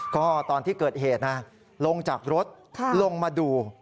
ก็ตอนที่เกิดเหตุนะลงจากรถลงมาดู